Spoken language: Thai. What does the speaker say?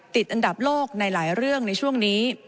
ติดอันดับโลกในหลายเรื่องในช่วงนี้